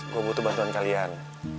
gua butuh bantuan kalian